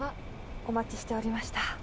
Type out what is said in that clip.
お待ちしておりました。